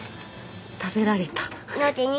食べられた。